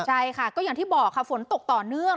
ใช่ค่ะก็อย่างที่บอกค่ะฝนตกต่อเนื่อง